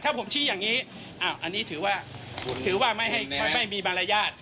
ถ้าผมชี้อย่างนี้อันนี้ถือว่าถือว่าไม่มีมารยาท